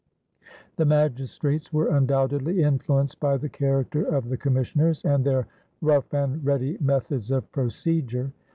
The magistrates were undoubtedly influenced by the character of the commissioners and their rough and ready methods of procedure.